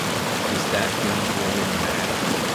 Is that young woman mad?